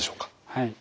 はい。